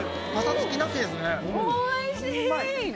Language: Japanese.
・おいしい！